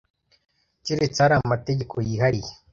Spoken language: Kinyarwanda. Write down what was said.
keretse hari amategeko yihariye